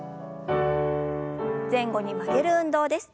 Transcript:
前後に曲げる運動です。